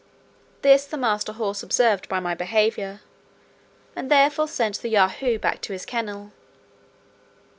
This the master horse observed by my behaviour, and therefore sent the Yahoo back to his kennel.